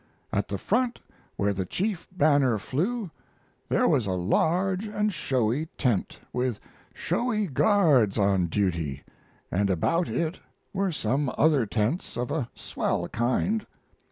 At the front where the chief banner flew there was a large and showy tent, with showy guards on duty, and about it were some other tents of a swell kind.